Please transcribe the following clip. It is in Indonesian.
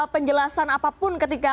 penjelasan apapun ketika